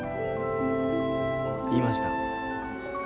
言いました。